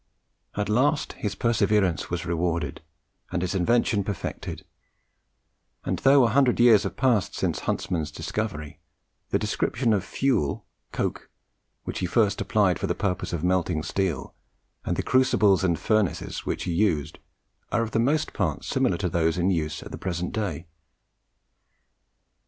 At last his perseverance was rewarded, and his invention perfected; and though a hundred years have passed since Huntsman's discovery, the description of fuel (coke) which he first applied for the purpose of melting the steel, and the crucibles and furnaces which he used, are for the most part similar to those in use at the present day.